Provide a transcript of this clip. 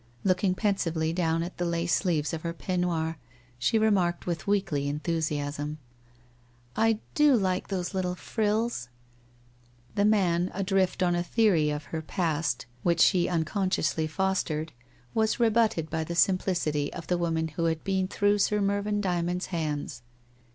Looking pensively down at the lace sleeves of her peignoir, she remarked with weakly enthusiasm : 1 I (lo like those little frills !' The man, adrift on a theory of her past which she unconsciously fostered, was rebutted by the simplicity of the woman who had been through Sir Mervyn Dymond's hands.